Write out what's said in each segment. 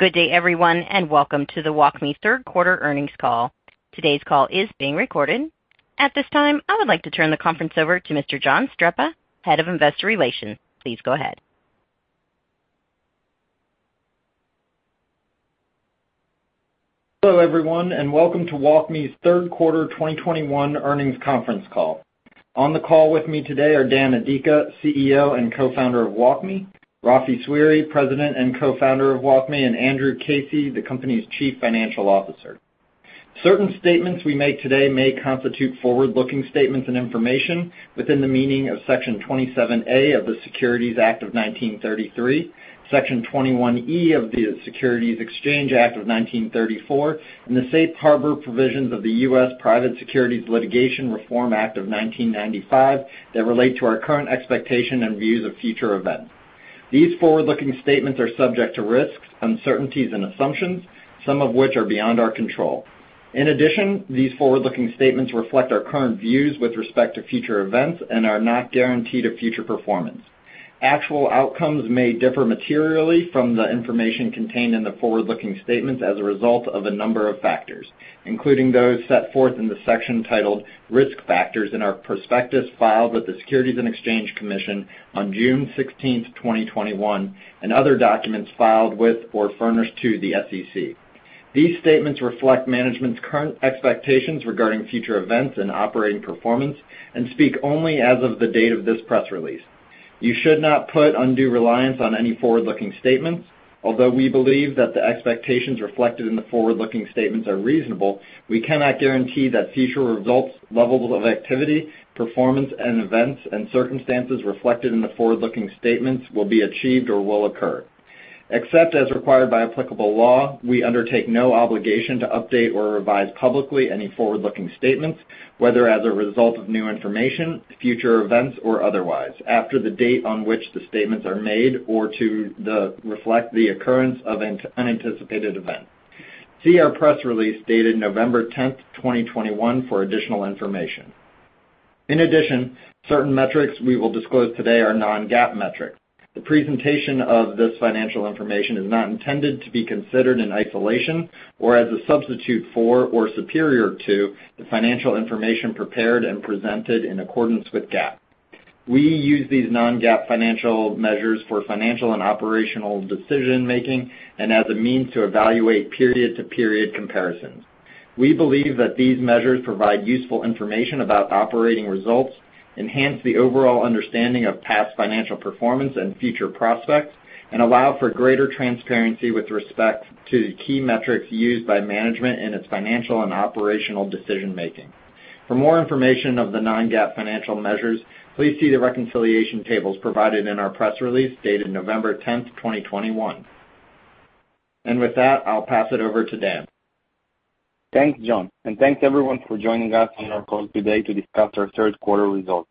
Good day, everyone, and welcome to the WalkMe third quarter earnings call. Today's call is being recorded. At this time, I would like to turn the conference over to Mr. John Streppa, Head of Investor Relations. Please go ahead. Hello, everyone, and welcome to WalkMe's third quarter 2021 earnings conference call. On the call with me today are Dan Adika, CEO and Co-Founder of WalkMe, Rafi Sweary, President and Co-Founder of WalkMe, and Andrew Casey, the company's Chief Financial Officer. Certain statements we make today may constitute forward-looking statements and information within the meaning of Section 27A of the Securities Act of 1933, Section 21E of the Securities Exchange Act of 1934, and the safe harbor provisions of the US Private Securities Litigation Reform Act of 1995 that relate to our current expectation and views of future events. These forward-looking statements are subject to risks, uncertainties, and assumptions, some of which are beyond our control. In addition, these forward-looking statements reflect our current views with respect to future events and are not guaranteed of future performance. Actual outcomes may differ materially from the information contained in the forward-looking statements as a result of a number of factors, including those set forth in the section titled Risk Factors in our prospectus filed with the Securities and Exchange Commission on June 16, 2021, and other documents filed with or furnished to the SEC. These statements reflect management's current expectations regarding future events and operating performance and speak only as of the date of this press release. You should not put undue reliance on any forward-looking statements. Although we believe that the expectations reflected in the forward-looking statements are reasonable, we cannot guarantee that future results, levels of activity, performance and events, and circumstances reflected in the forward-looking statements will be achieved or will occur. Except as required by applicable law, we undertake no obligation to update or revise publicly any forward-looking statements, whether as a result of new information, future events, or otherwise, after the date on which the statements are made, or to reflect the occurrence of an unanticipated event. See our press release dated November 10, 2021, for additional information. In addition, certain metrics we will disclose today are non-GAAP metrics. The presentation of this financial information is not intended to be considered in isolation or as a substitute for or superior to the financial information prepared and presented in accordance with GAAP. We use these non-GAAP financial measures for financial and operational decision-making and as a means to evaluate period-to-period comparisons. We believe that these measures provide useful information about operating results, enhance the overall understanding of past financial performance and future prospects, and allow for greater transparency with respect to the key metrics used by management in its financial and operational decision-making. For more information on the non-GAAP financial measures, please see the reconciliation tables provided in our press release dated November 10, 2021. With that, I'll pass it over to Dan. Thanks, John, and thanks, everyone, for joining us on our call today to discuss our third quarter results.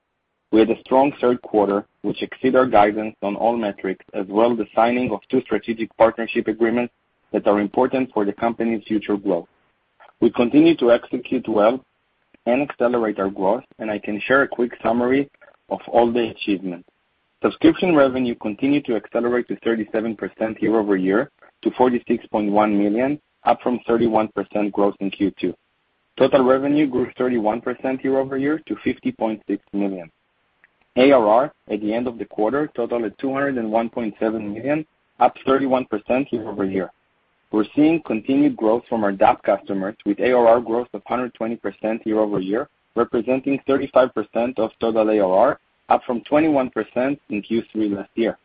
We had a strong third quarter, which exceed our guidance on all metrics, as well the signing of two strategic partnership agreements that are important for the company's future growth. We continue to execute well and accelerate our growth, and I can share a quick summary of all the achievements. Subscription revenue continued to accelerate to 37% year-over-year to $46.1 million, up from 31% growth in Q2. Total revenue grew 31% year-over-year to $50.6 million. ARR at the end of the quarter totaled $201.7 million, up 31% year-over-year. We're seeing continued growth from our DAP customers with ARR growth of 120% year-over-year, representing 35% of total ARR, up from 21% in Q3 last year.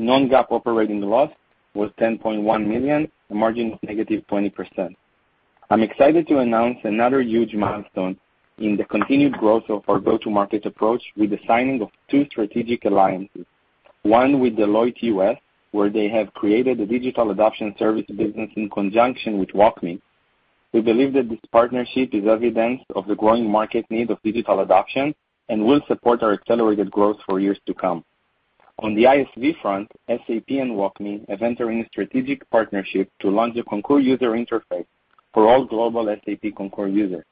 Non-GAAP operating loss was $10.1 million, a margin of -20%. I'm excited to announce another huge milestone in the continued growth of our go-to-market approach with the signing of two strategic alliances. One with Deloitte US, where they have created a digital adoption service business in conjunction with WalkMe. We believe that this partnership is evidence of the growing market need of digital adoption and will support our accelerated growth for years to come. On the ISV front, SAP and WalkMe are entering a strategic partnership to launch a Concur user interface for all global SAP Concur users.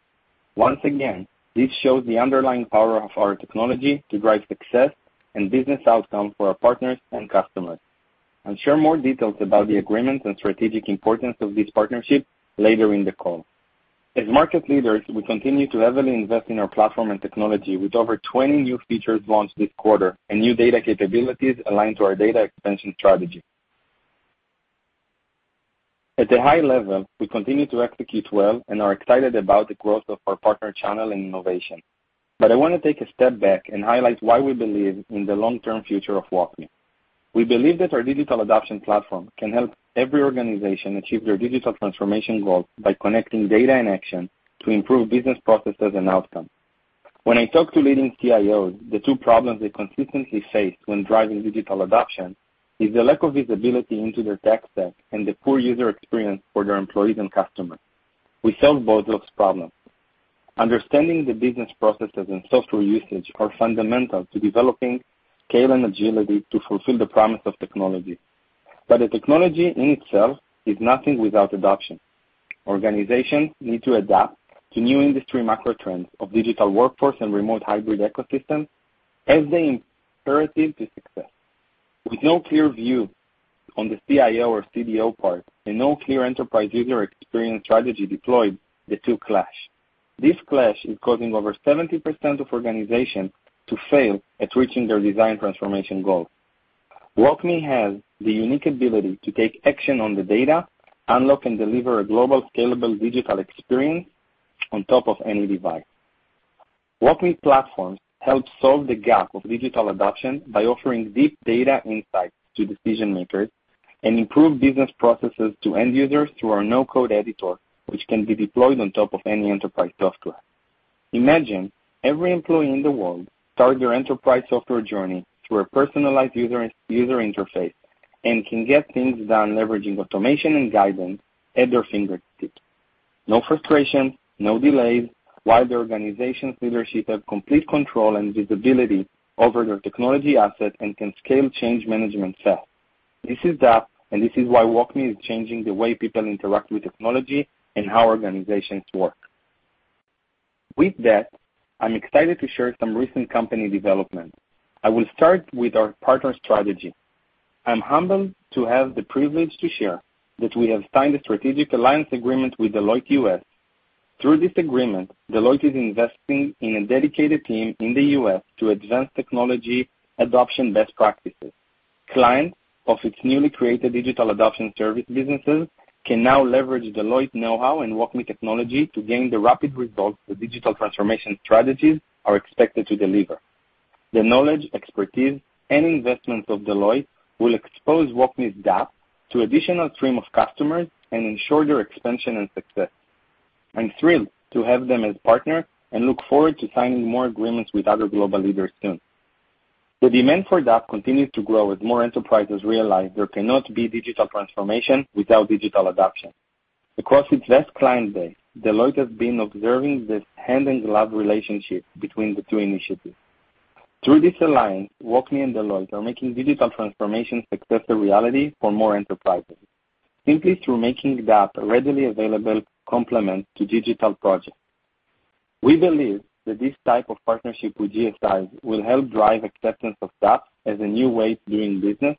Once again, this shows the underlying power of our technology to drive success and business outcomes for our partners and customers. I'll share more details about the agreements and strategic importance of this partnership later in the call. As market leaders, we continue to heavily invest in our platform and technology with over 20 new features launched this quarter and new data capabilities aligned to our data expansion strategy. At a high level, we continue to execute well and are excited about the growth of our partner channel and innovation. I wanna take a step back and highlight why we believe in the long-term future of WalkMe. We believe that our digital adoption platform can help every organization achieve their digital transformation goals by connecting data and action to improve business processes and outcomes. When I talk to leading CIOs, the two problems they consistently face when driving digital adoption is the lack of visibility into their tech stack and the poor user experience for their employees and customers. We solve both those problems. Understanding the business processes and software usage are fundamental to developing scale and agility to fulfill the promise of technology. The technology in itself is nothing without adoption. Organizations need to adapt to new industry macro trends of digital workforce and remote hybrid ecosystems as the imperative to success. With no clear view on the CIO or CDO part and no clear enterprise user experience strategy deployed, the two clash. This clash is causing over 70% of organizations to fail at reaching their digital transformation goal. WalkMe has the unique ability to take action on the data, unlock and deliver a global scalable digital experience on top of any device. WalkMe platforms help solve the gap of digital adoption by offering deep data insights to decision-makers and improve business processes to end users through our no-code editor, which can be deployed on top of any enterprise software. Imagine every employee in the world start their enterprise software journey through a personalized user interface and can get things done leveraging automation and guidance at their fingertips. No frustrations, no delays, while the organization's leadership have complete control and visibility over their technology asset and can scale change management fast. This is DaaS, and this is why WalkMe is changing the way people interact with technology and how organizations work. With that, I'm excited to share some recent company development. I will start with our partner strategy. I'm humbled to have the privilege to share that we have signed a strategic alliance agreement with Deloitte US. Through this agreement, Deloitte is investing in a dedicated team in the U.S. to advance technology adoption best practices. Clients of its newly created Digital Adoption Services business can now leverage Deloitte's know-how and WalkMe technology to gain the rapid results the digital transformation strategies are expected to deliver. The knowledge, expertise, and investments of Deloitte will expose WalkMe's DaaS to additional stream of customers and ensure their expansion and success. I'm thrilled to have them as partners and look forward to signing more agreements with other global leaders soon. The demand for DaaS continues to grow as more enterprises realize there cannot be digital transformation without digital adoption. Across its vast client base, Deloitte has been observing this hand-in-glove relationship between the two initiatives. Through this alliance, WalkMe and Deloitte are making digital transformation success a reality for more enterprises simply through making DaaS a readily available complement to digital projects. We believe that this type of partnership with GSIs will help drive acceptance of DaaS as a new way of doing business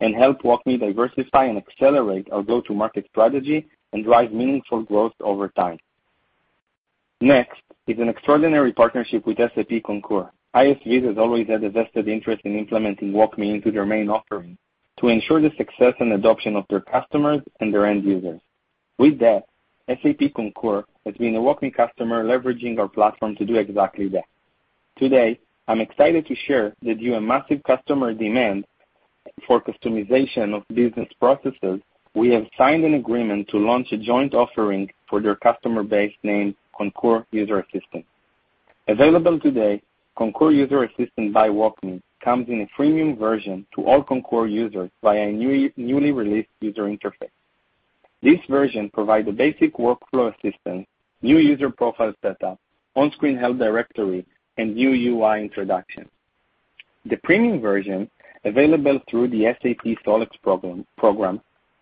and help WalkMe diversify and accelerate our go-to-market strategy and drive meaningful growth over time. Next is an extraordinary partnership with SAP Concur. ISVs has always had a vested interest in implementing WalkMe into their main offering to ensure the success and adoption of their customers and their end users. With that, SAP Concur has been a WalkMe customer leveraging our platform to do exactly that. Today, I'm excited to share that due to a massive customer demand for customization of business processes, we have signed an agreement to launch a joint offering for their customer base named Concur User Assistant. Available today, Concur User Assistant by WalkMe comes in a freemium version to all Concur users via a newly released user interface. This version provide the basic workflow assistance, new user profile setup, on-screen help directory, and new UI introduction. The premium version, available through the SAP SolEx program,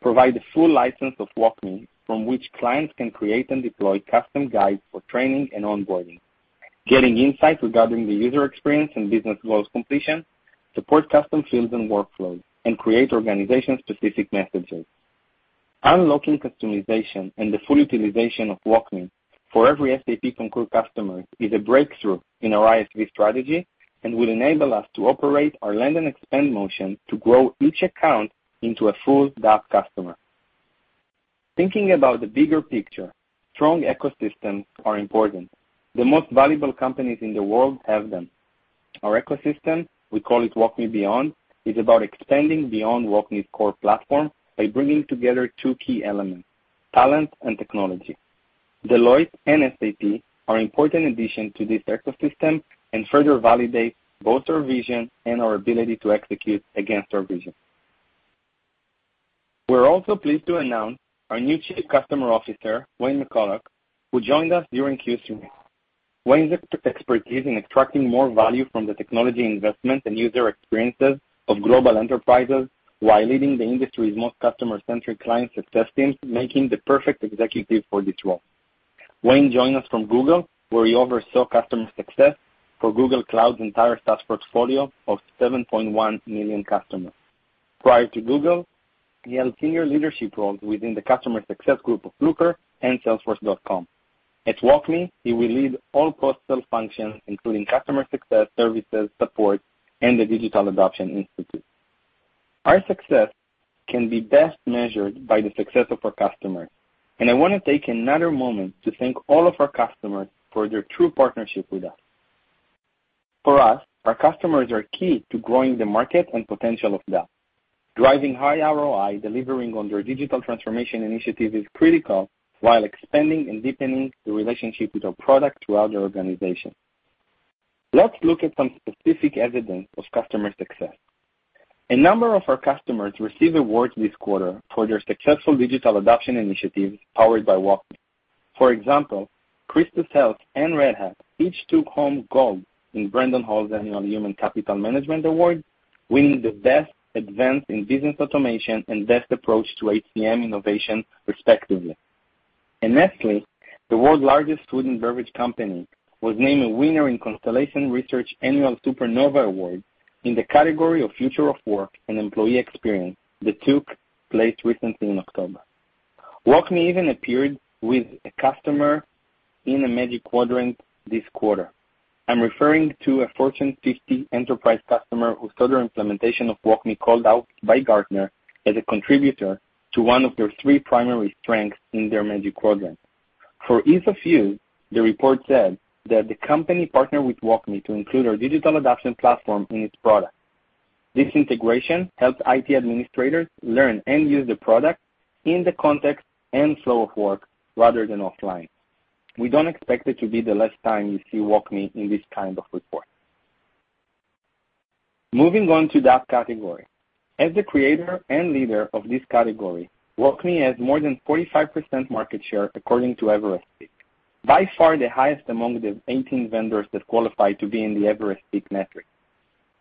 provide a full license of WalkMe from which clients can create and deploy custom guides for training and onboarding, getting insights regarding the user experience and business goals completion, support custom fields and workflows, and create organization-specific messages. Unlocking customization and the full utilization of WalkMe for every SAP Concur customer is a breakthrough in our ISV strategy and will enable us to operate our land and expand motion to grow each account into a full DaaS customer. Thinking about the bigger picture, strong ecosystems are important. The most valuable companies in the world have them. Our ecosystem, we call it WalkMe Beyond, is about expanding beyond WalkMe's core platform by bringing together two key elements, talent and technology. Deloitte and SAP are important addition to this ecosystem and further validates both our vision and our ability to execute against our vision. We're also pleased to announce our new Chief Customer Officer, Wayne McCulloch, who joined us during Q3. Wayne's expertise in extracting more value from the technology investment and user experiences of global enterprises while leading the industry's most customer-centric client success teams, make him the perfect executive for this role. Wayne joined us from Google, where he oversaw customer success for Google Cloud's entire SaaS portfolio of 7.1 million customers. Prior to Google, he held senior leadership roles within the customer success group of Looker and Salesforce.com. At WalkMe, he will lead all post-sale functions, including customer success, services, support, and the Digital Adoption Institute. Our success can be best measured by the success of our customers, and I wanna take another moment to thank all of our customers for their true partnership with us. For us, our customers are key to growing the market and potential of DaaS. Driving high ROI, delivering on their digital transformation initiative is critical while expanding and deepening the relationship with our product throughout their organization. Let's look at some specific evidence of customer success. A number of our customers received awards this quarter for their successful digital adoption initiatives powered by WalkMe. For example, CHRISTUS Health and Red Hat each took home gold in Brandon Hall Group's Annual Human Capital Management Award, winning the best advance in business automation and best approach to HCM innovation respectively. Nestlé, the world's largest food and beverage company, was named a winner in Constellation Research annual SuperNova Award in the category of Future of Work and Employee Experience that took place recently in October. WalkMe even appeared with a customer in a Magic Quadrant this quarter. I'm referring to a Fortune 50 enterprise customer whose total implementation of WalkMe called out by Gartner as a contributor to one of their three primary strengths in their Magic Quadrant. For ease of use, the report said that the company partnered with WalkMe to include our Digital Adoption Platform in its product. This integration helps IT administrators learn and use the product in the context and flow of work rather than offline. We don't expect it to be the last time you see WalkMe in this kind of report. Moving on to DAP category. As the creator and leader of this category, WalkMe has more than 45% market share, according to Everest Group PEAK Matrix. By far the highest among the 18 vendors that qualify to be in the Everest Group PEAK Matrix.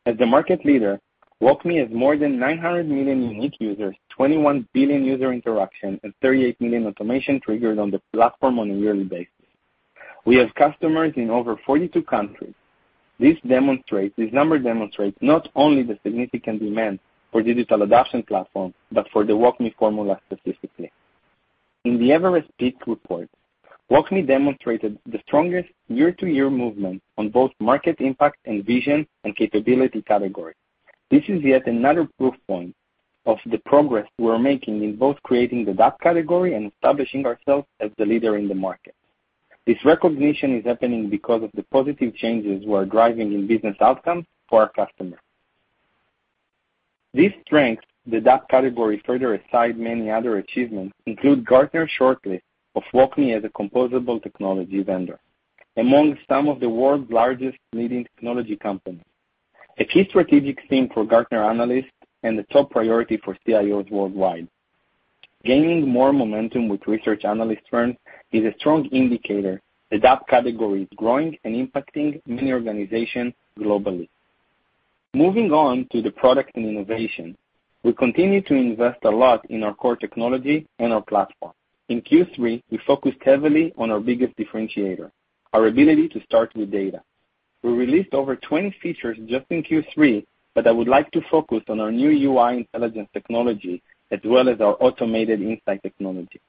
As the market leader, WalkMe has more than 900 million unique users, 21 billion user interactions, and 38 million automations triggered on the platform on a yearly basis. We have customers in over 42 countries. This number demonstrates not only the significant demand for Digital Adoption Platform, but for the WalkMe formula specifically. In the Everest Group PEAK Matrix, WalkMe demonstrated the strongest year-to-year movement on both market impact and vision and capability category. This is yet another proof point of the progress we're making in both creating the DAP category and establishing ourselves as the leader in the market. This recognition is happening because of the positive changes we're driving in business outcomes for our customers. These strengths in the DAP category, as well as many other achievements, include Gartner shortlist of WalkMe as a composable technology vendor among some of the world's largest leading technology companies. A key strategic theme for Gartner analysts and the top priority for CIOs worldwide. Gaining more momentum with research analyst firms is a strong indicator the DAP category is growing and impacting many organizations globally. Moving on to the product and innovation. We continue to invest a lot in our core technology and our platform. In Q3, we focused heavily on our biggest differentiator, our ability to start with data. We released over 20 features just in Q3, but I would like to focus on our new UI Intelligence technology as well as our Automated Insight technology.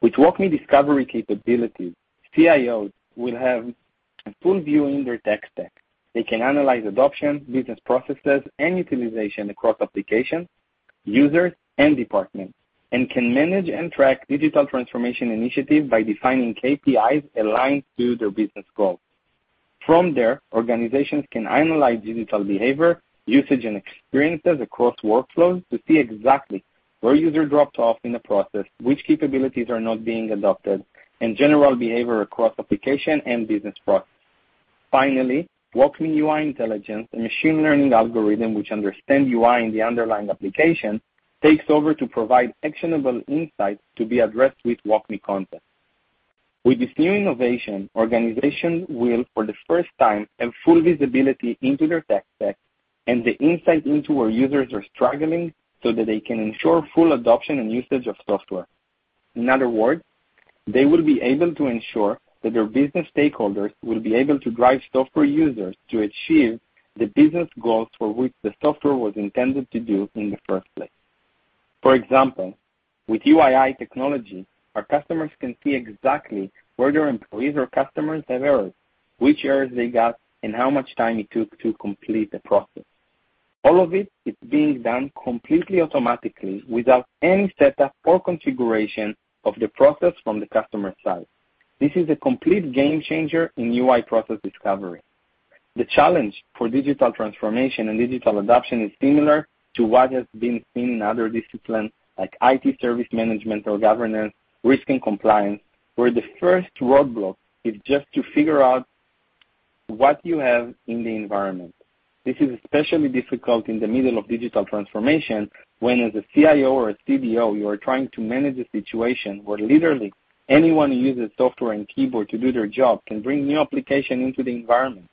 With WalkMe discovery capabilities, CIOs will have a full view in their tech stack. They can analyze adoption, business processes, and utilization across applications, users, and departments, and can manage and track digital transformation initiatives by defining KPIs aligned to their business goals. From there, organizations can analyze digital behavior, usage, and experiences across workflows to see exactly where user dropped off in the process, which capabilities are not being adopted, and general behavior across application and business products. Finally, WalkMe UI Intelligence, a machine learning algorithm which understands UI in the underlying application, takes over to provide actionable insights to be addressed with WalkMe content. With this new innovation, organizations will, for the first time, have full visibility into their tech stack and the insight into where users are struggling so that they can ensure full adoption and usage of software. In other words, they will be able to ensure that their business stakeholders will be able to drive software users to achieve the business goals for which the software was intended to do in the first place. For example, with UI Intelligence, our customers can see exactly where their employees or customers have errors, which errors they got, and how much time it took to complete the process. All of it is being done completely, automatically, without any setup or configuration of the process from the customer side. This is a complete game changer in UI process discovery. The challenge for digital transformation and digital adoption is similar to what has been seen in other disciplines like IT service management or Governance, Risk, and Compliance, where the first roadblock is just to figure out what you have in the environment. This is especially difficult in the middle of digital transformation, when as a CIO or a CDO, you are trying to manage a situation where literally anyone who uses software and keyboard to do their job can bring new application into the environment.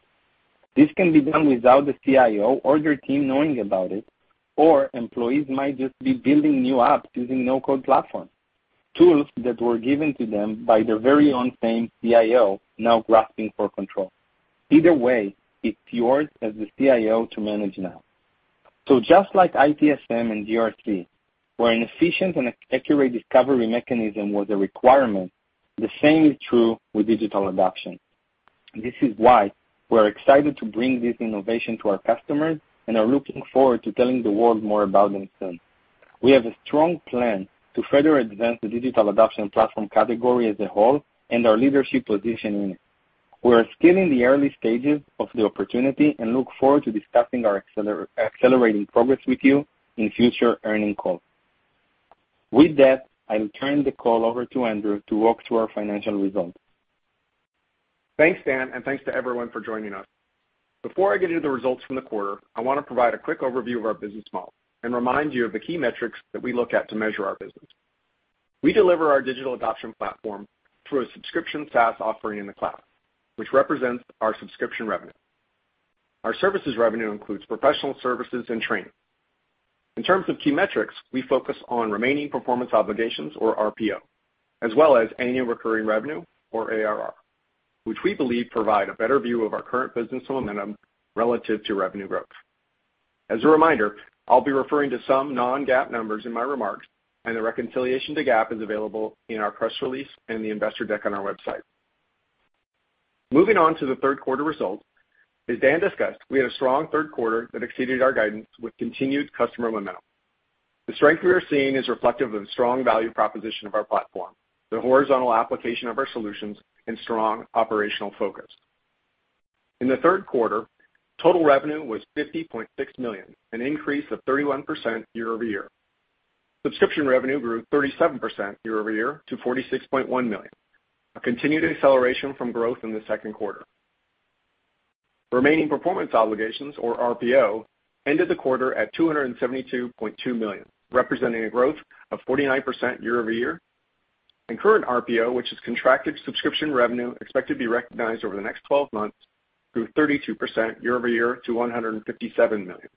This can be done without the CIO or their team knowing about it. Employees might just be building new apps using no-code platform, tools that were given to them by their very own same CIO now grasping for control. Either way, it's yours as the CIO to manage now. Just like ITSM and ERP, where an efficient and accurate discovery mechanism was a requirement, the same is true with digital adoption. This is why we're excited to bring this innovation to our customers and are looking forward to telling the world more about them soon. We have a strong plan to further advance the digital adoption platform category as a whole and our leadership position in it. We are still in the early stages of the opportunity and look forward to discussing our accelerating progress with you in future earnings calls. With that, I'll turn the call over to Andrew to walk through our financial results. Thanks, Dan, and thanks to everyone for joining us. Before I get into the results from the quarter, I wanna provide a quick overview of our business model and remind you of the key metrics that we look at to measure our business. We deliver our digital adoption platform through a subscription SaaS offering in the cloud, which represents our subscription revenue. Our services revenue includes professional services and training. In terms of key metrics, we focus on remaining performance obligations, or RPO, as well as annual recurring revenue, or ARR, which we believe provide a better view of our current business momentum relative to revenue growth. As a reminder, I'll be referring to some non-GAAP numbers in my remarks, and the reconciliation to GAAP is available in our press release and the investor deck on our website. Moving on to the third quarter results, as Dan discussed, we had a strong third quarter that exceeded our guidance with continued customer momentum. The strength we are seeing is reflective of the strong value proposition of our platform, the horizontal application of our solutions, and strong operational focus. In the third quarter, total revenue was $50.6 million, an increase of 31% year-over-year. Subscription revenue grew 37% year-over-year to $46.1 million, a continued acceleration from growth in the second quarter. Remaining performance obligations, or RPO, ended the quarter at $272.2 million, representing a growth of 49% year-over-year. Current RPO, which is contracted subscription revenue expected to be recognized over the next 12 months, grew 32% year-over-year to $157 million.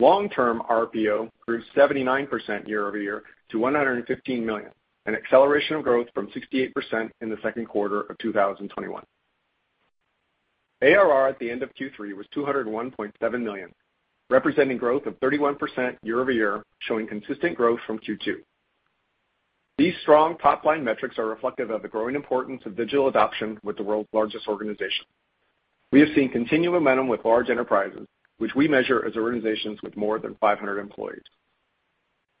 Long-term RPO grew 79% year-over-year to $115 million, an acceleration of growth from 68% in the second quarter of 2021. ARR at the end of Q3 was $201.7 million, representing growth of 31% year-over-year, showing consistent growth from Q2. These strong top-line metrics are reflective of the growing importance of digital adoption with the world's largest organizations. We have seen continued momentum with large enterprises, which we measure as organizations with more than 500 employees.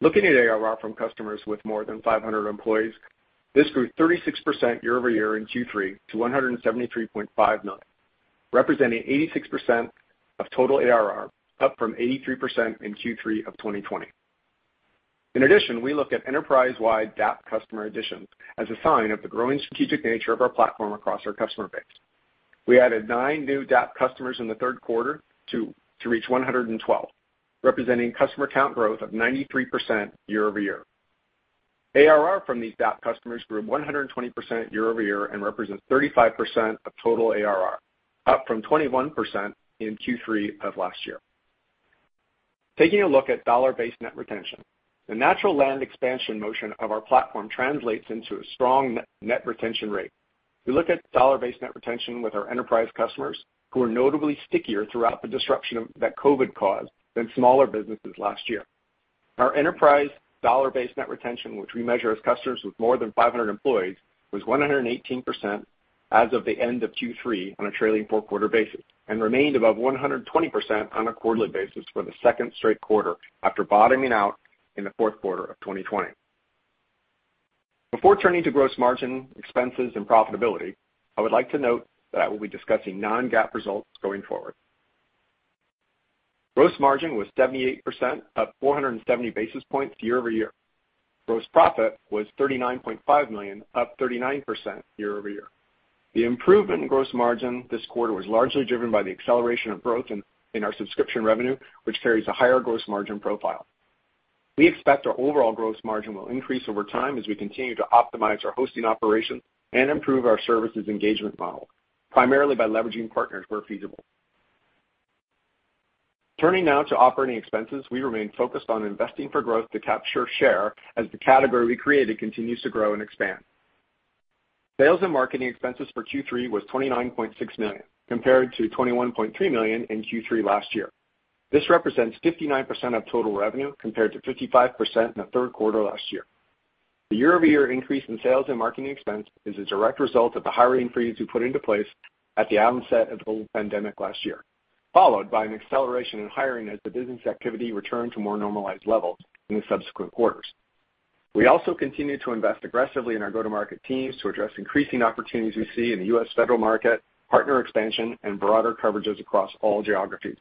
Looking at ARR from customers with more than 500 employees, this grew 36% year-over-year in Q3 to $173.5 million, representing 86% of total ARR, up from 83% in Q3 of 2020. In addition, we look at enterprise-wide DAP customer additions as a sign of the growing strategic nature of our platform across our customer base. We added nine new DAP customers in the third quarter to reach 112, representing customer count growth of 93% year-over-year. ARR from these DAP customers grew 120% year-over-year and represents 35% of total ARR, up from 21% in Q3 of last year. Taking a look at dollar-based net retention, the natural land expansion motion of our platform translates into a strong net retention rate. We look at dollar-based net retention with our enterprise customers, who are notably stickier throughout the disruption that COVID caused than smaller businesses last year. Our enterprise dollar-based net retention, which we measure as customers with more than 500 employees, was 118% as of the end of Q3 on a trailing four-quarter basis and remained above 120% on a quarterly basis for the second straight quarter after bottoming out in the fourth quarter of 2020. Before turning to gross margin, expenses, and profitability, I would like to note that I will be discussing non-GAAP results going forward. Gross margin was 78%, up 470 basis points year over year. Gross profit was $39.5 million, up 39% year over year. The improvement in gross margin this quarter was largely driven by the acceleration of growth in our subscription revenue, which carries a higher gross margin profile. We expect our overall gross margin will increase over time as we continue to optimize our hosting operations and improve our services engagement model, primarily by leveraging partners where feasible. Turning now to operating expenses, we remain focused on investing for growth to capture share as the category we created continues to grow and expand. Sales and marketing expenses for Q3 was $29.6 million, compared to $21.3 million in Q3 last year. This represents 59% of total revenue compared to 55% in the third quarter last year. The year-over-year increase in sales and marketing expense is a direct result of the hiring freeze we put into place at the onset of the pandemic last year, followed by an acceleration in hiring as the business activity returned to more normalized levels in the subsequent quarters. We also continue to invest aggressively in our go-to-market teams to address increasing opportunities we see in the US federal market, partner expansion, and broader coverages across all geographies.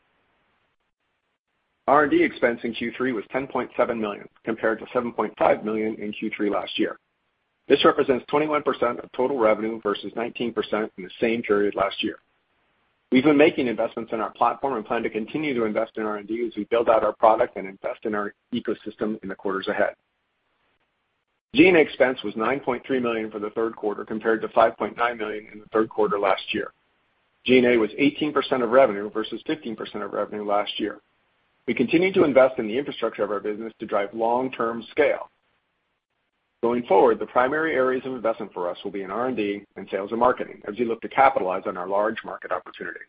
R&D expense in Q3 was $10.7 million, compared to $7.5 million in Q3 last year. This represents 21% of total revenue versus 19% in the same period last year. We've been making investments in our platform and plan to continue to invest in R&D as we build out our product and invest in our ecosystem in the quarters ahead. G&A expense was $9.3 million for the third quarter, compared to $5.9 million in the third quarter last year. G&A was 18% of revenue versus 15% of revenue last year. We continue to invest in the infrastructure of our business to drive long-term scale. Going forward, the primary areas of investment for us will be in R&D and sales and marketing as we look to capitalize on our large market opportunity.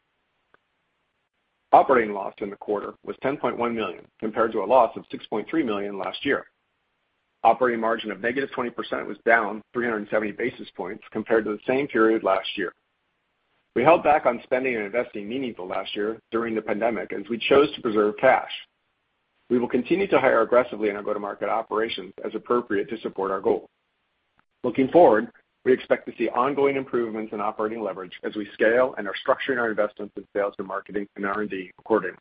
Operating loss in the quarter was $10.1 million, compared to a loss of $6.3 million last year. Operating margin of -20% was down 370 basis points compared to the same period last year. We held back on spending and investing meaningfully last year during the pandemic, as we chose to preserve cash. We will continue to hire aggressively in our go-to-market operations as appropriate to support our goal. Looking forward, we expect to see ongoing improvements in operating leverage as we scale and are structuring our investments in sales and marketing and R&D accordingly.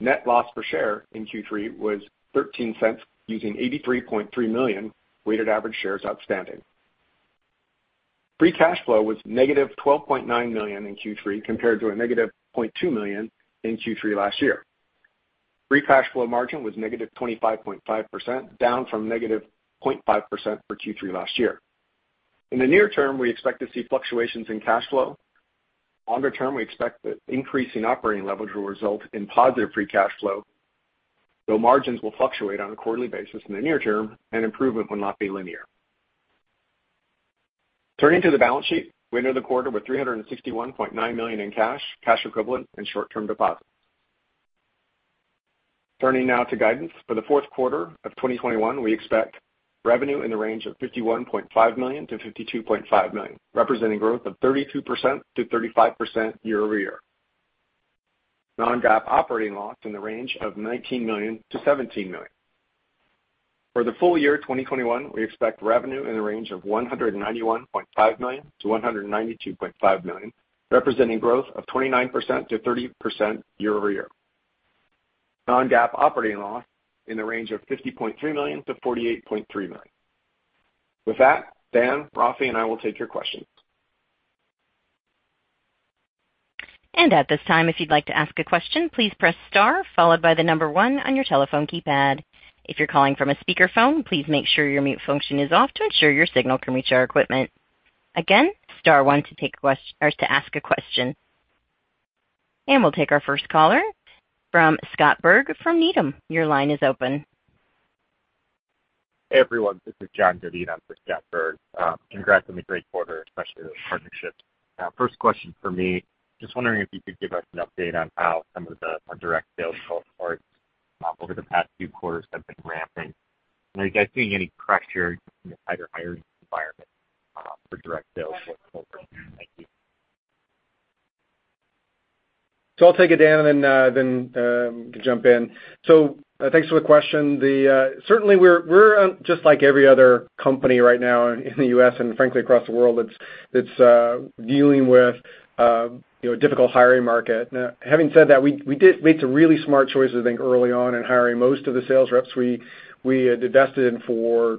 Net loss per share in Q3 was $0.13, using 83.3 million weighted average shares outstanding. Free cash flow was negative $12.9 million in Q3, compared to negative $0.2 million in Q3 last year. Free cash flow margin was negative 25.5%, down from negative 0.5% for Q3 last year. In the near term, we expect to see fluctuations in cash flow. Longer term, we expect the increase in operating levels will result in positive free cash flow, though margins will fluctuate on a quarterly basis in the near term and improvement will not be linear. Turning to the balance sheet, we ended the quarter with $361.9 million in cash and cash equivalents and short-term deposits. Turning now to guidance. For the fourth quarter of 2021, we expect revenue in the range of $51.5 million-$52.5 million, representing growth of 32%-35% year-over-year. Non-GAAP operating loss in the range of $19 million-$17 million. For the full year 2021, we expect revenue in the range of $191.5 million-$192.5 million, representing growth of 29%-30% year-over-year. Non-GAAP operating loss in the range of $50.3 million-$48.3 million. With that, Dan, Rafi and I will take your questions. At this time, if you'd like to ask a question, please press star followed by the number one on your telephone keypad. If you're calling from a speaker phone, please make sure your mute function is off to ensure your signal can reach our equipment. Again, star one to ask a question. We'll take our first caller from Scott Berg from Needham. Your line is open. Hey, everyone. This is John Devine in for Scott Berg. Congrats on the great quarter, especially the partnerships. First question for me, just wondering if you could give us an update on how some of the more direct sales cohorts over the past few quarters have been ramping. Are you guys seeing any pressure in the hiring environment for direct sales going forward? Thank you. I'll take it, Dan, and then, you can jump in. Thanks for the question. Certainly we're just like every other company right now in the U.S. and frankly across the world that's dealing with you know, a difficult hiring market. Now having said that, we did make some really smart choices, I think, early on in hiring most of the sales reps we had invested in for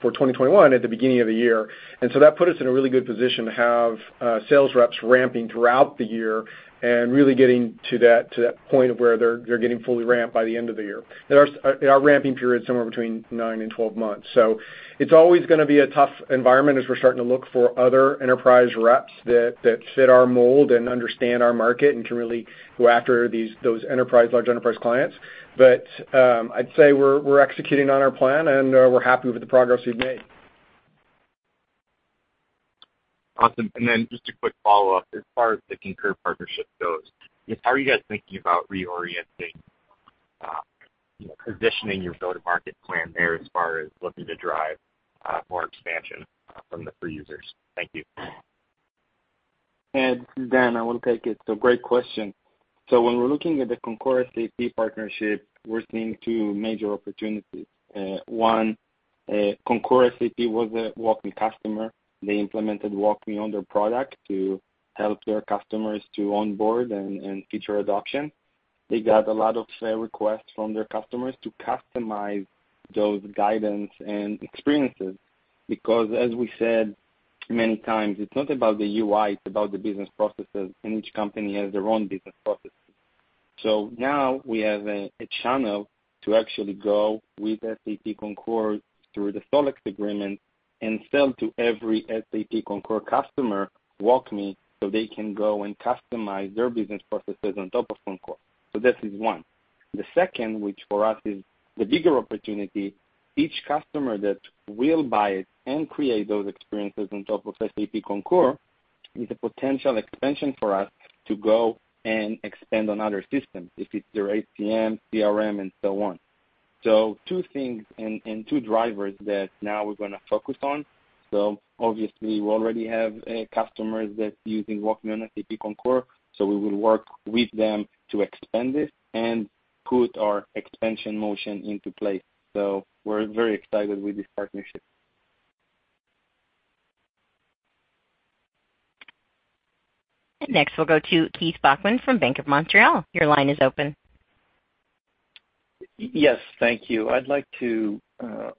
2021 at the beginning of the year. That put us in a really good position to have sales reps ramping throughout the year and really getting to that point of where they're getting fully ramped by the end of the year. Our ramping period is somewhere between nine and 12 months. It's always gonna be a tough environment as we're starting to look for other enterprise reps that fit our mold and understand our market and can really go after those large enterprise clients. I'd say we're executing on our plan, and we're happy with the progress we've made. Awesome. Just a quick follow-up. As far as the Concur partnership goes, how are you guys thinking about reorienting, you know, positioning your go-to-market plan there as far as looking to drive, more expansion, from the free users? Thank you. This is Dan. I will take it. Great question. When we're looking at the SAP Concur partnership, we're seeing two major opportunities. One, SAP Concur was a WalkMe customer. They implemented WalkMe on their product to help their customers onboard and feature adoption. They got a lot of requests from their customers to customize those guidance and experiences because as we said many times, it's not about the UI, it's about the business processes, and each company has their own business processes. Now we have a channel to actually go with SAP Concur through the SolEx agreement and sell to every SAP Concur customer, WalkMe, so they can go and customize their business processes on top of SAP Concur. This is one. The second, which for us is the bigger opportunity, each customer that will buy it and create those experiences on top of SAP Concur is a potential expansion for us to go and expand on other systems if it's their HCM, CRM and so on. Two things and two drivers that now we're gonna focus on. Obviously we already have customers that's using WalkMe on SAP Concur, so we will work with them to expand this and put our expansion motion into place. We're very excited with this partnership. Next, we'll go to Keith Bachman from BMO Capital Markets. Your line is open. Yes. Thank you. I'd like to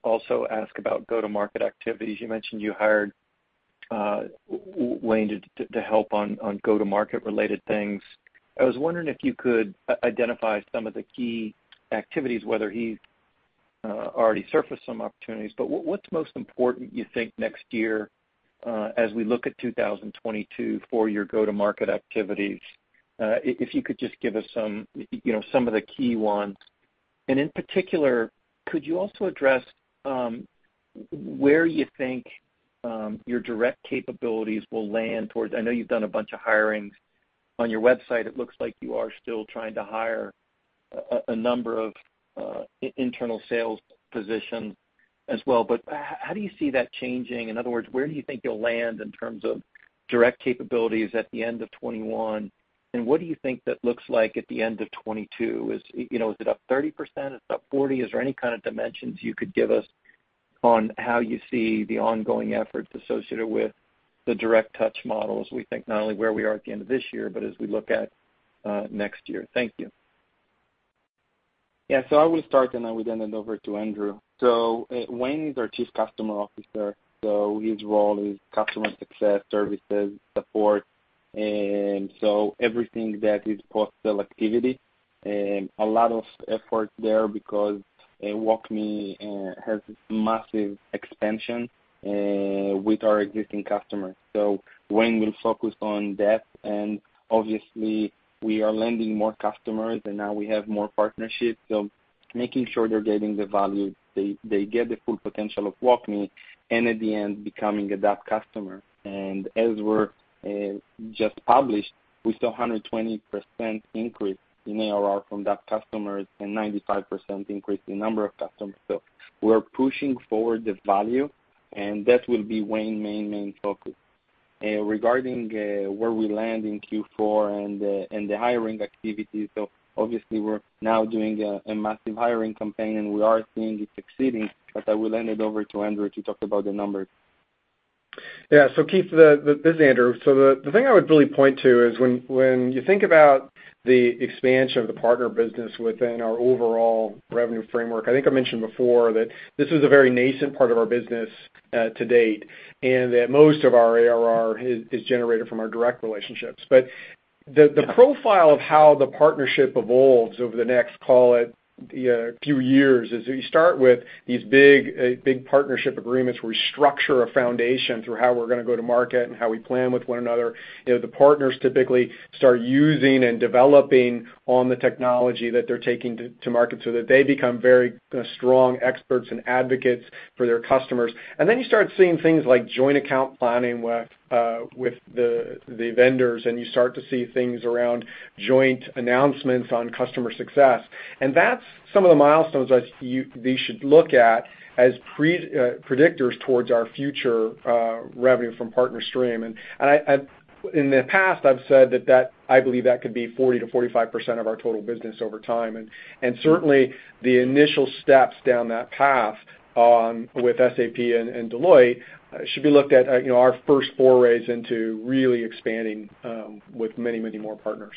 also ask about go-to-market activities. You mentioned you hired Wayne to help on go-to-market related things. I was wondering if you could identify some of the key activities, whether he's already surfaced some opportunities. What's most important you think next year, as we look at 2022 for your go-to-market activities? If you could just give us some, you know, some of the key ones. In particular, could you also address where you think your direct capabilities will land towards. I know you've done a bunch of hiring. On your website, it looks like you are still trying to hire a number of internal sales positions as well. How do you see that changing? In other words, where do you think you'll land in terms of direct capabilities at the end of 2021, and what do you think that looks like at the end of 2022? Is, you know, is it up 30%? Is it up 40%? Is there any kind of dimensions you could give us on how you see the ongoing efforts associated with the direct touch model as we think not only where we are at the end of this year, but as we look at next year. Thank you. Yeah. I will start, and I will then hand over to Andrew. Wayne is our Chief Customer Officer. His role is customer success, services, support, and everything that is post-sale activity. A lot of effort there because WalkMe has massive expansion with our existing customers. Wayne will focus on that, and obviously, we are landing more customers, and now we have more partnerships, so making sure they're getting the value they get the full potential of WalkMe, and at the end, becoming a DAP customer. As we've just published, we saw a 120% increase in ARR from those customers and 95% increase in number of customers. We're pushing forward the value, and that will be Wayne's main focus. Regarding where we land in Q4 and the hiring activity. Obviously, we're now doing a massive hiring campaign, and we are seeing it succeeding, but I will hand it over to Andrew to talk about the numbers. Yeah. Keith, this is Andrew. The thing I would really point to is when you think about the expansion of the partner business within our overall revenue framework. I think I mentioned before that this is a very nascent part of our business to date, and that most of our ARR is generated from our direct relationships. The profile of how the partnership evolves over the next, call it, few years is you start with these big partnership agreements where we structure a foundation through how we're gonna go to market and how we plan with one another. You know, the partners typically start using and developing on the technology that they're taking to market so that they become very strong experts and advocates for their customers. Then you start seeing things like joint account planning with the vendors, and you start to see things around joint announcements on customer success. That's some of the milestones that we should look at as predictors towards our future revenue from partner stream. In the past, I've said that I believe that could be 40%-45% of our total business over time. Certainly, the initial steps down that path with SAP and Deloitte should be looked at, you know, our first forays into really expanding with many more partners.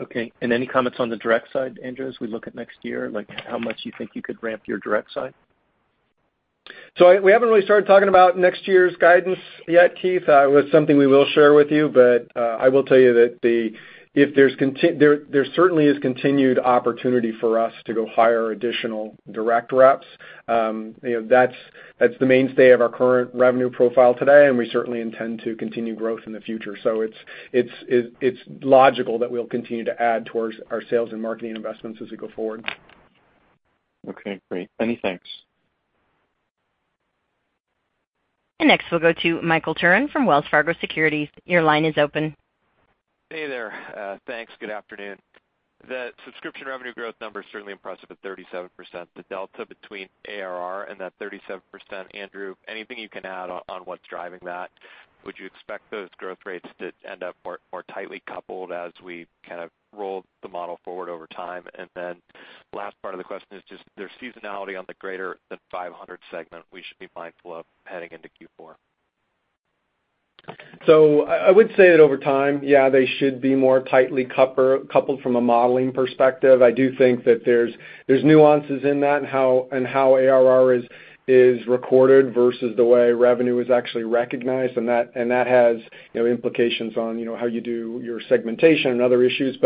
Okay. Any comments on the direct side, Andrew, as we look at next year, like how much you think you could ramp your direct side? We haven't really started talking about next year's guidance yet, Keith. It was something we will share with you, but I will tell you that there certainly is continued opportunity for us to go hire additional direct reps. You know, that's the mainstay of our current revenue profile today, and we certainly intend to continue growth in the future. It's logical that we'll continue to add towards our sales and marketing investments as we go forward. Okay, great. Many thanks. Next, we'll go to Michael Turrin from Wells Fargo Securities. Your line is open. Hey there. Thanks. Good afternoon. The subscription revenue growth number is certainly impressive at 37%. The delta between ARR and that 37%, Andrew, anything you can add on what's driving that? Would you expect those growth rates to end up more tightly coupled as we kind of roll the model forward over time? Last part of the question is just there's seasonality on the greater than 500 segment we should be mindful of heading into Q4. I would say that over time, yeah, they should be more tightly coupled from a modeling perspective. I do think that there's nuances in that and how ARR is recorded versus the way revenue is actually recognized, and that has, you know, implications on, you know, how you do your segmentation and other issues.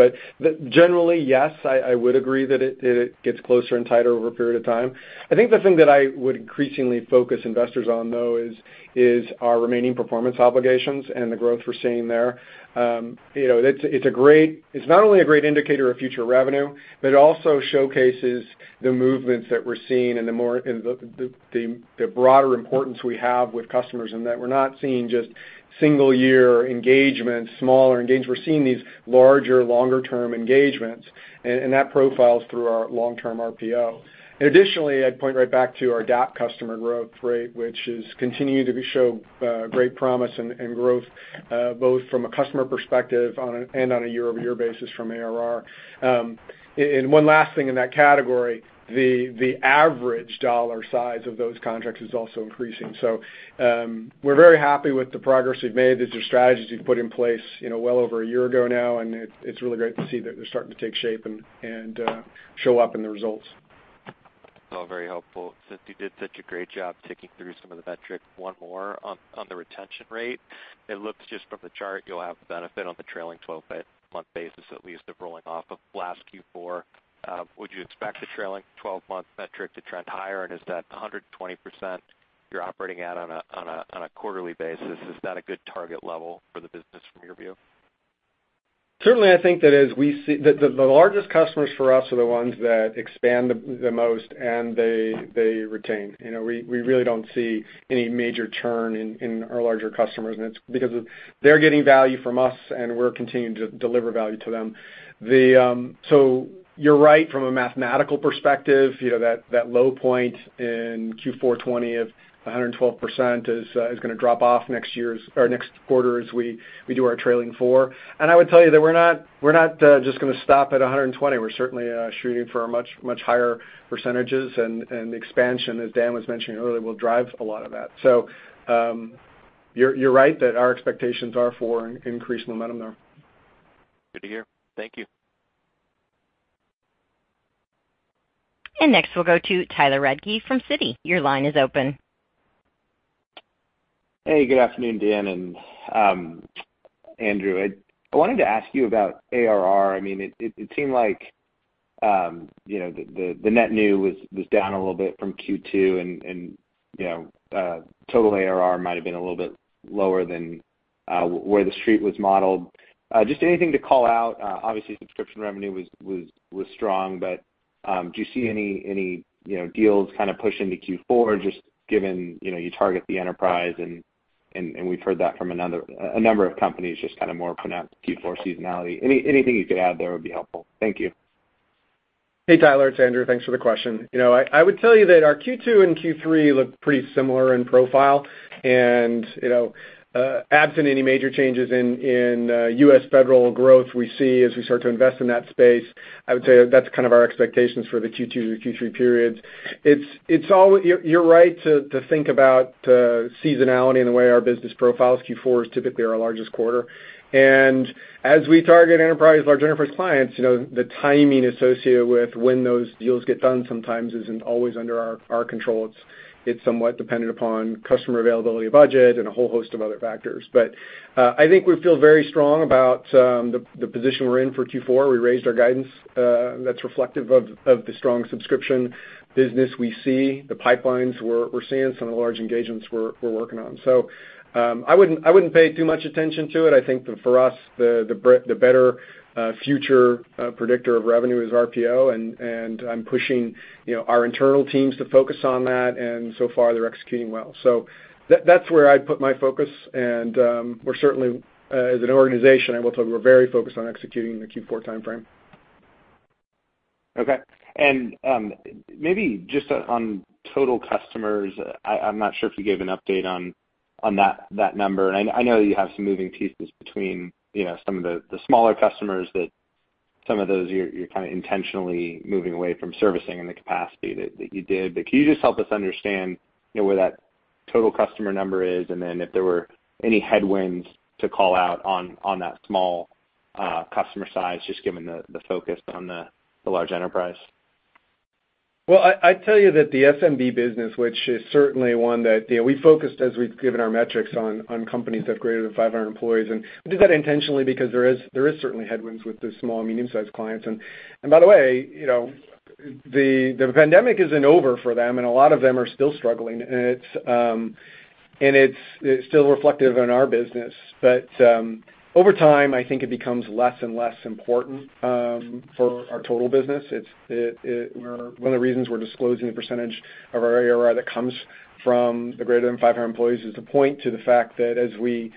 Generally, yes, I would agree that it gets closer and tighter over a period of time. I think the thing that I would increasingly focus investors on though is our remaining performance obligations and the growth we're seeing there. You know, it's not only a great indicator of future revenue, but it also showcases the movements that we're seeing and the broader importance we have with customers, and that we're not seeing just single year engagements, smaller engagements. We're seeing these larger, longer term engagements, and that profiles through our long-term RPO. Additionally, I'd point right back to our DAP customer growth rate, which is continuing to show great promise and growth, both from a customer perspective and on a year-over-year basis from ARR. One last thing in that category, the average dollar size of those contracts is also increasing. We're very happy with the progress we've made. These are strategies we've put in place, you know, well over a year ago now, and it's really great to see that they're starting to take shape and show up in the results. All very helpful. Since you did such a great job ticking through some of the metrics, one more on the retention rate. It looks just from the chart you'll have the benefit on the trailing twelve-month basis, at least of rolling off of last Q4. Would you expect the trailing twelve-month metric to trend higher? Is that 120% you're operating at on a quarterly basis a good target level for the business from your view? Certainly, I think that the largest customers for us are the ones that expand the most and they retain. You know, we really don't see any major churn in our larger customers, and it's because they're getting value from us, and we're continuing to deliver value to them. So, you're right from a mathematical perspective, you know, that low point in Q4 2020 of 112% is gonna drop off next year or next quarter as we do our trailing four. I would tell you that we're not just gonna stop at 120%. We're certainly shooting for much higher percentages and expansion, as Dan was mentioning earlier, will drive a lot of that. You're right that our expectations are for increased momentum there. Good to hear. Thank you. Next, we'll go to Tyler Radke from Citi. Your line is open. Hey, good afternoon, Dan and Andrew. I wanted to ask you about ARR. I mean, it seemed like you know, the net new was down a little bit from Q2 and you know, total ARR might have been a little bit lower than where the street was modeled. Just anything to call out, obviously subscription revenue was strong, but do you see any you know, deals kinda push into Q4 just given you know, you target the enterprise and we've heard that from a number of companies, just kinda more pronounced Q4 seasonality. Anything you could add there would be helpful. Thank you. Hey, Tyler, it's Andrew. Thanks for the question. You know, I would tell you that our Q2 and Q3 look pretty similar in profile. You know, absent any major changes in U.S. federal growth we see as we start to invest in that space, I would say that's kind of our expectations for the Q2 to Q3 periods. You're right to think about seasonality in the way our business profiles. Q4 is typically our largest quarter. As we target enterprise, large enterprise clients, you know, the timing associated with when those deals get done sometimes isn't always under our control. It's somewhat dependent upon customer availability of budget and a whole host of other factors. I think we feel very strong about the position we're in for Q4. We raised our guidance, that's reflective of the strong subscription business we see, the pipelines we're seeing, some of the large engagements we're working on. I wouldn't pay too much attention to it. I think that for us, the better future predictor of revenue is RPO and I'm pushing, you know, our internal teams to focus on that, and so far they're executing well. That's where I'd put my focus and we're certainly, as an organization, I will tell you we're very focused on executing in the Q4 timeframe. Okay. Maybe just on total customers, I'm not sure if you gave an update on that number. I know you have some moving pieces between, you know, some of the smaller customers that some of those you're kinda intentionally moving away from servicing in the capacity that you did. Can you just help us understand, you know, where that total customer number is and then if there were any headwinds to call out on that small customer size, just given the focus on the large enterprise? Well, I'd tell you that the SMB business, which is certainly one that, you know, we focused as we've given our metrics on companies that have greater than 500 employees. We did that intentionally because there is certainly headwinds with the small and medium-sized clients. By the way, you know, the pandemic isn't over for them, and a lot of them are still struggling, and it's still reflective in our business. Over time, I think it becomes less and less important for our total business. One of the reasons we're disclosing the percentage of our ARR that comes from the greater than 500 employees is to point to the fact that as we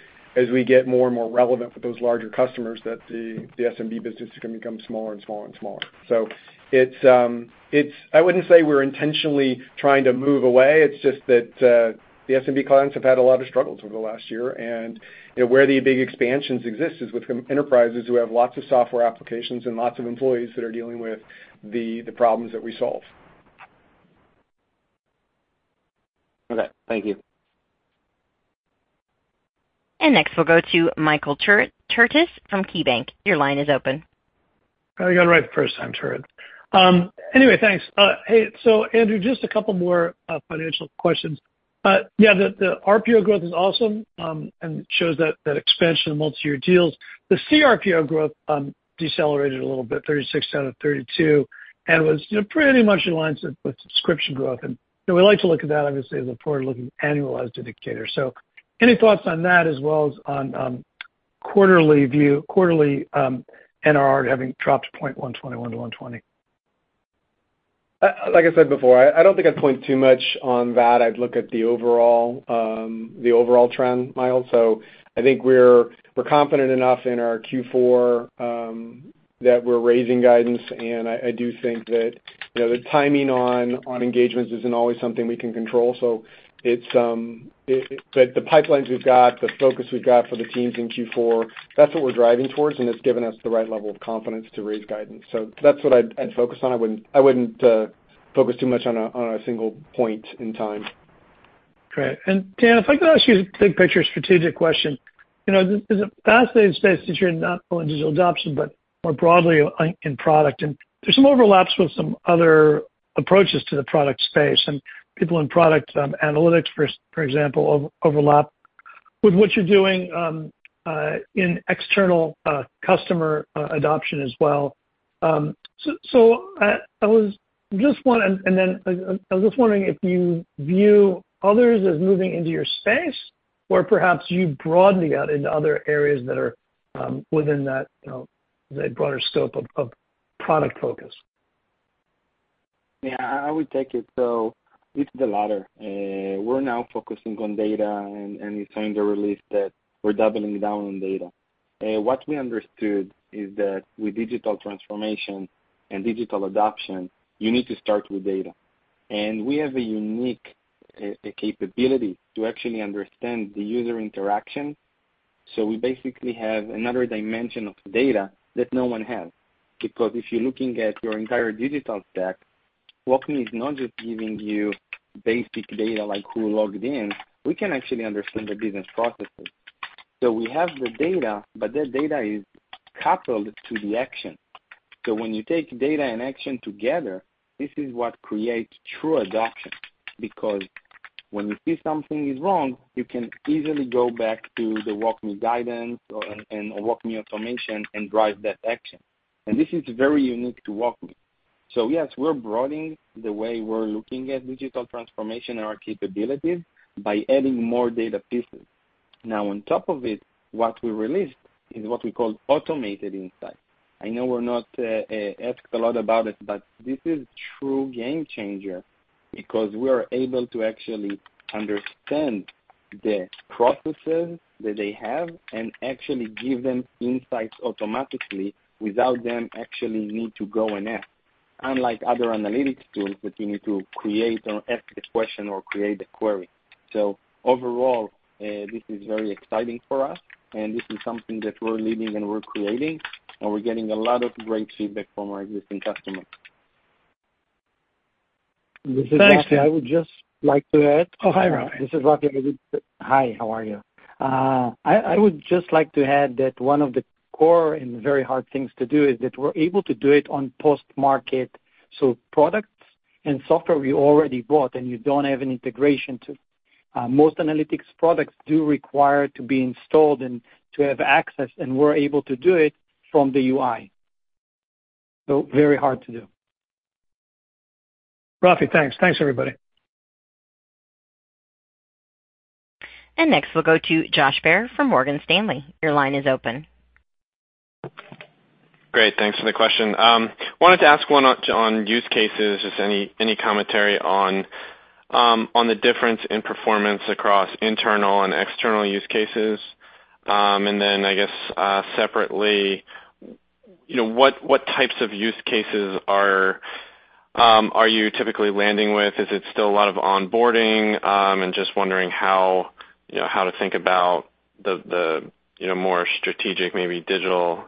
get more and more relevant with those larger customers, that the SMB business is gonna become smaller and smaller and smaller. I wouldn't say we're intentionally trying to move away. It's just that the SMB clients have had a lot of struggles over the last year. You know, where the big expansions exist is with enterprises who have lots of software applications and lots of employees that are dealing with the problems that we solve. Okay. Thank you. Next, we'll go to Michael Turits from KeyBanc. Your line is open. Oh, you got it right the first time, Turits. Anyway, thanks. Hey, so Andrew, just a couple more financial questions. Yeah, the RPO growth is awesome and shows that expansion of multi-year deals. The CRPO growth decelerated a little bit, 36% to 32%, and was, you know, pretty much in line with subscription growth. You know, we like to look at that obviously as a forward-looking annualized indicator. Any thoughts on that as well as on quarterly view, quarterly NRR having dropped 121 to 120? Like I said before, I don't think I'd point too much on that. I'd look at the overall trend, Michael. I think we're confident enough in our Q4 that we're raising guidance. I do think that, you know, the timing on engagements isn't always something we can control. The pipelines we've got, the focus we've got for the teams in Q4, that's what we're driving towards, and it's given us the right level of confidence to raise guidance. That's what I'd focus on. I wouldn't focus too much on a single point in time. Great. Dan, if I could ask you a big picture strategic question. You know, this is a fascinating space since you're not only in digital adoption, but more broadly in product. There's some overlaps with some other approaches to the product space. People in product analytics, for example, overlap with what you're doing in external customer adoption as well. I was just wondering if you view others as moving into your space or perhaps you broadening out into other areas that are within that, you know, the broader scope of product focus. Yeah. I would take it. It's the latter. We're now focusing on data and we signed a release that we're doubling down on data. What we understood is that with digital transformation and digital adoption, you need to start with data. We have a unique capability to actually understand the user interaction. We basically have another dimension of data that no one has. Because if you're looking at your entire digital stack, WalkMe is not just giving you basic data, like who logged in. We can actually understand the business processes. We have the data, but that data is coupled to the action. When you take data and action together, this is what creates true adoption. Because when you see something is wrong, you can easily go back to the WalkMe guidance or WalkMe automation and drive that action. This is very unique to WalkMe. Yes, we're broadening the way we're looking at digital transformation and our capabilities by adding more data pieces. Now on top of it, what we released is what we call automated insight. I know we're not asked a lot about it, but this is true game changer because we are able to actually understand the processes that they have and actually give them insights automatically without them actually need to go and ask. Unlike other analytics tools that you need to create or ask a question or create a query. Overall, this is very exciting for us, and this is something that we're leading and we're creating, and we're getting a lot of great feedback from our existing customers. Thanks. This is Rafi. I would just like to add. Oh, hi, Rafi. This is Rafi. Hi, how are you? I would just like to add that one of the core and very hard things to do is that we're able to do it on post-market. Products and software we already bought, and you don't have an integration to, most analytics products do require to be installed and to have access, and we're able to do it from the UI. Very hard to do. Rafi, thanks. Thanks, everybody. Next, we'll go to Josh Baer from Morgan Stanley. Your line is open. Great. Thanks for the question. Wanted to ask one on use cases, just any commentary on the difference in performance across internal and external use cases. And then I guess separately, you know, what types of use cases are you typically landing with? Is it still a lot of onboarding? And just wondering how, you know, how to think about the, you know, more strategic, maybe digital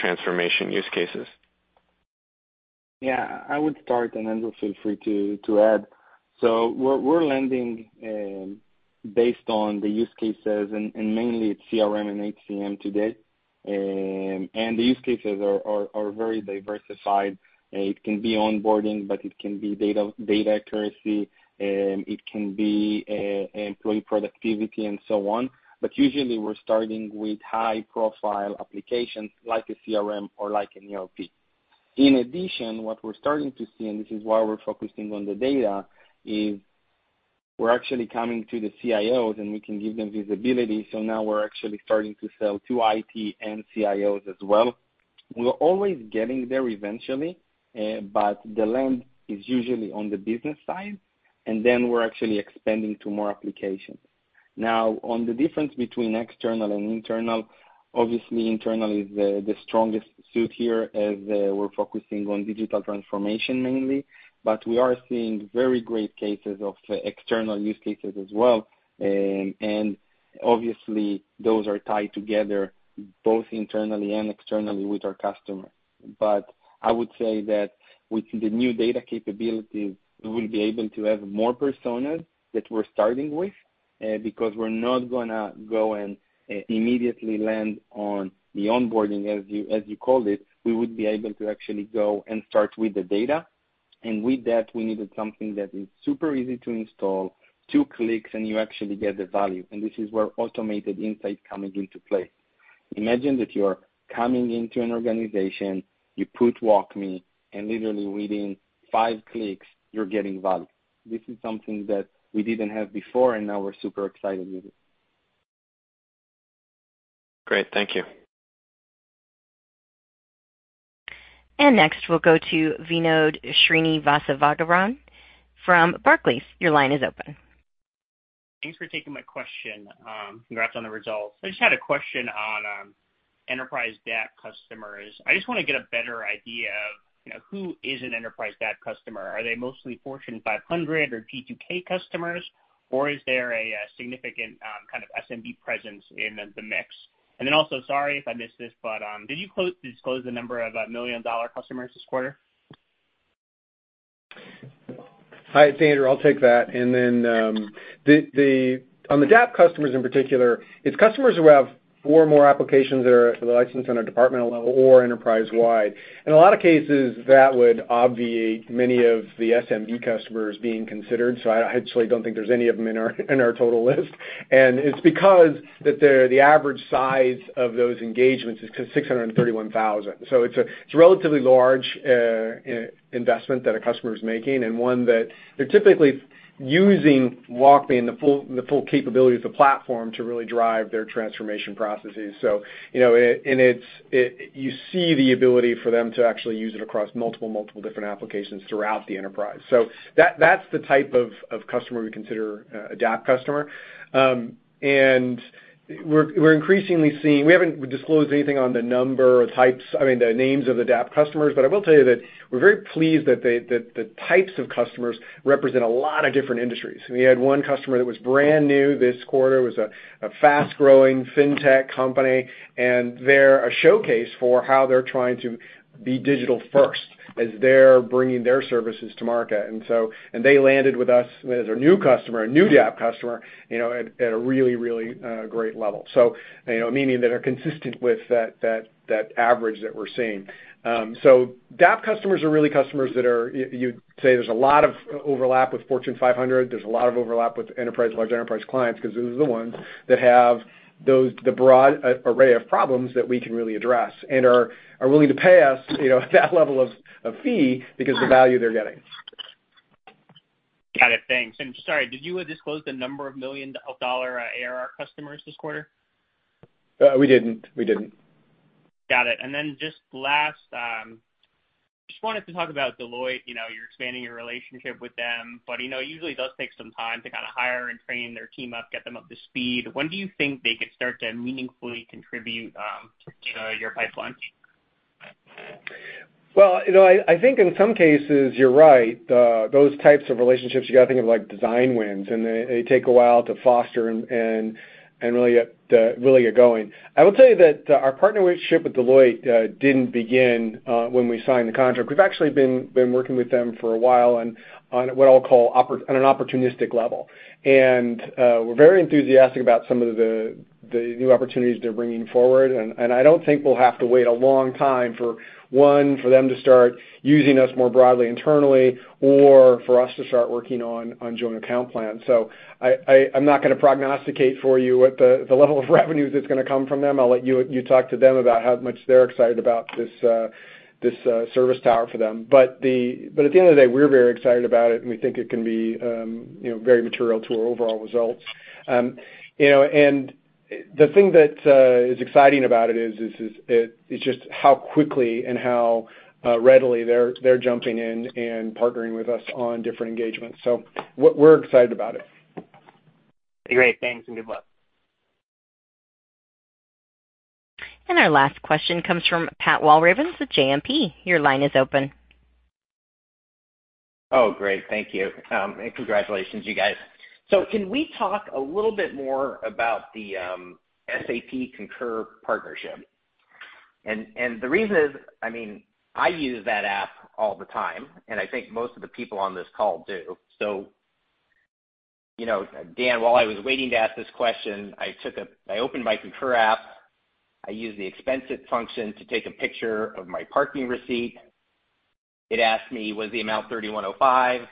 transformation use cases. Yeah. I would start, and Andrew, feel free to add. We're landing based on the use cases and mainly it's CRM and HCM today. The use cases are very diversified. It can be onboarding, but it can be data accuracy, it can be employee productivity and so on. Usually, we're starting with high profile applications like a CRM or like an ERP. In addition, what we're starting to see, and this is why we're focusing on the data, is we're actually coming to the CIOs, and we can give them visibility. Now we're actually starting to sell to IT and CIOs as well. We're always getting there eventually, but the land is usually on the business side, and then we're actually expanding to more applications. Now on the difference between external and internal, obviously internal is the strongest suit here as we're focusing on digital transformation mainly. We are seeing very great cases of external use cases as well. Obviously those are tied together both internally and externally with our customer. I would say that with the new data capabilities, we'll be able to have more personas that we're starting with because we're not gonna go and immediately land on the onboarding, as you called it. We would be able to actually go and start with the data. With that, we needed something that is super easy to install, two clicks, and you actually get the value. This is where Automated Insight coming into play. Imagine that you are coming into an organization, you put WalkMe, and literally within five clicks you're getting value. This is something that we didn't have before, and now we're super excited with it. Great. Thank you. Next, we'll go to Vinod Srinivasaraghavan from Barclays. Your line is open. Thanks for taking my question. Congrats on the results. I just had a question on Enterprise DAP customers. I just wanna get a better idea of, you know, who is an Enterprise DAP customer. Are they mostly Fortune 500 or F2K customers, or is there a significant kind of SMB presence in the mix? Then also, sorry if I missed this, but, did you disclose the number of million-dollar customers this quarter? Hi, it's Andrew. I'll take that. Then, on the DAP customers in particular, it's customers who have four or more applications that are licensed on a departmental level or enterprise-wide. In a lot of cases, that would obviate many of the SMB customers being considered, so I actually don't think there's any of them in our total list. It's because the average size of those engagements is $631,000. It's a relatively large investment that a customer is making and one that they're typically using WalkMe and the full capability of the platform to really drive their transformation processes. You know, you see the ability for them to actually use it across multiple different applications throughout the enterprise. That's the type of customer we consider a DAP customer. We're increasingly seeing. We haven't disclosed anything on the number or types, I mean, the names of the DAP customers, but I will tell you that we're very pleased that the types of customers represent a lot of different industries. We had one customer that was brand new this quarter. It was a fast-growing fintech company, and they're a showcase for how they're trying to be digital first as they're bringing their services to market. They landed with us as a new customer, a new DAP customer, you know, at a really great level. You know, meaning they are consistent with that average that we're seeing. DAP customers are really customers that are, you'd say, there's a lot of overlap with Fortune 500. There's a lot of overlap with enterprise, large enterprise clients, 'cause these are the ones that have the broad array of problems that we can really address and are willing to pay us, you know, that level of fee because the value, they're getting. Got it. Thanks. Sorry, did you disclose the number of million of dollar ARR customers this quarter? We didn't. Got it. Then just last, just wanted to talk about Deloitte, you know, you're expanding your relationship with them, but, you know, it usually does take some time to kinda hire and train their team up, get them up to speed. When do you think, they could start to meaningfully contribute, to your pipeline? Well, you know, I think in some cases you're right. Those types of relationships, you gotta think of like design wins, and they take a while to foster and really get going. I will tell you that our partnership with Deloitte didn't begin when we signed the contract. We've actually been working with them for a while on what I'll call an opportunistic level. We're very enthusiastic about some of the new opportunities they're bringing forward. I don't think we'll have to wait a long time for them to start using us more broadly internally or for us to start working on joint account plans. I'm not gonna prognosticate for you at the level of revenues that's gonna come from them. I'll let you talk to them about how much they're excited about this service tower for them. At the end of the day, we're very excited about it, and we think it can be, you know, very material to our overall results. You know, the thing that is exciting about it is just how quickly and how readily they're jumping in and partnering with us on different engagements. We're excited about it. Great. Thanks, and good luck. Our last question comes from Pat Walravens with JMP. Your line is open. Oh, great. Thank you. Congratulations you guys. Can we talk a little bit more about the SAP Concur partnership? The reason is, I mean, I use that app all the time, and I think most of the people on this call do. You know, Dan, while I was waiting to ask this question, I opened my Concur app. I used the ExpenseIt function to take a picture of my parking receipt. It asked me was the amount $31.05.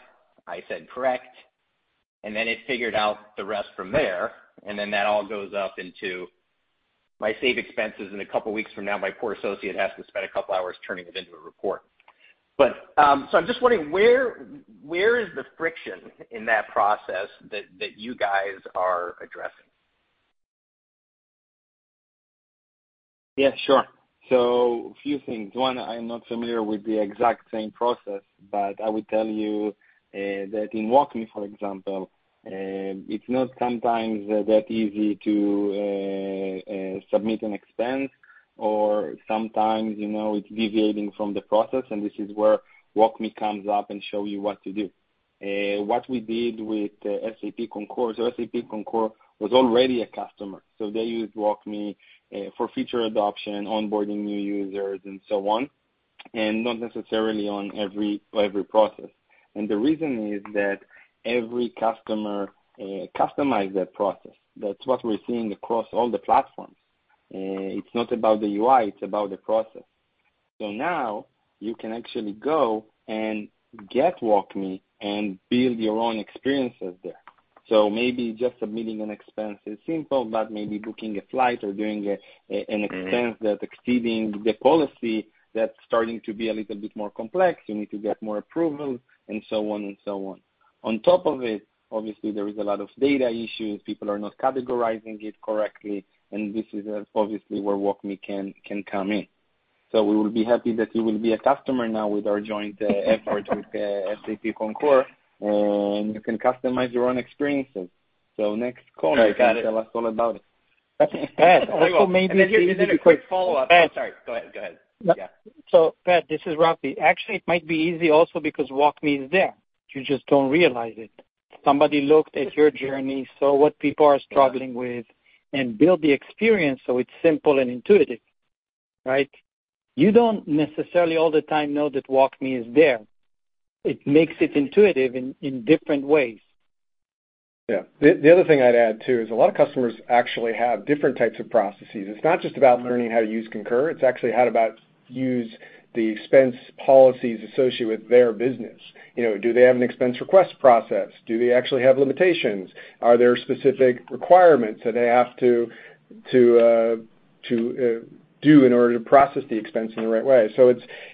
I said, "Correct." Then it figured out the rest from there, and then that all goes up into my save expenses, and a couple weeks from now, my poor associate has to spend a couple hours turning it into a report. I'm just wondering where is the friction in that process that you guys are addressing? Yeah, sure. A few things. One, I'm not familiar with the exact same process, but I will tell you that in WalkMe, for example, it's not sometimes that easy to submit an expense or sometimes, you know, it's deviating from the process, and this is where WalkMe comes up and show you what to do. What we did with SAP Concur. SAP Concur was already a customer, so they used WalkMe for feature adoption, onboarding new users and so on, and not necessarily on every process. The reason is that every customer customize their process. That's what we're seeing across all the platforms. It's not about the UI, it's about the process. Now you can actually go and get WalkMe and build your own experiences there. Maybe just submitting an expense is simple, but maybe booking a flight or doing a. Mm-hmm. an expense that exceeds the policy, that's starting to be a little bit more complex. You need to get more approval and so on and so on. On top of it, obviously there is a lot of data issues. People are not categorizing it correctly, and this is obviously where WalkMe can come in. We will be happy that you will be a customer now with our joint effort with SAP Concur, and you can customize your own experiences. Next quarter. Got it. You can tell us all about it? Pat, also maybe. I will. Here's a quick follow-up. Pat. Oh, sorry. Go ahead. Yeah. Pat, this is Rafi. Actually, it might be easy also because WalkMe is there. You just don't realize it. Somebody looked at your journey, saw what people are struggling with, and built the experience so it's simple and intuitive, right? You don't necessarily all the time know that WalkMe is there. It makes it intuitive in different ways. Yeah. The other thing I'd add too is a lot of customers actually have different types of processes. It's not just about learning how to use Concur, it's actually how to go about using the expense policies associated with their business. You know, do they have an expense request process? Do they actually have limitations? Are there specific requirements that they have to do in order to process the expense in the right way?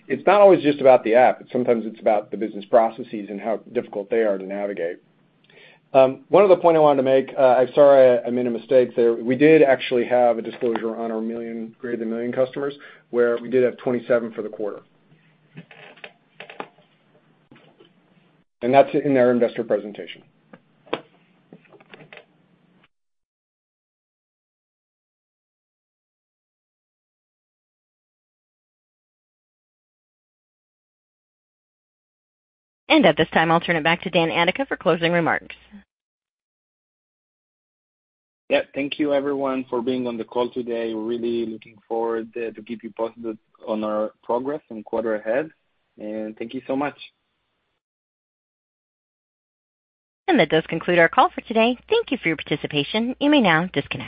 It's not always just about the app, but sometimes it's about the business processes and how difficult they are to navigate. One other point I wanted to make, I'm sorry, I made a mistake there. We did actually have a disclosure on our greater than million customers, where we did have 27 for the quarter. That's in our investor presentation. At this time, I'll turn it back to Dan Adika for closing remarks. Yeah. Thank you everyone for being on the call today. We're really looking forward to keep you posted on our progress in the quarter ahead and thank you so much. That does conclude our call for today. Thank you for your participation. You may now disconnect.